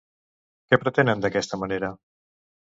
Què pretenen d'aquesta manera?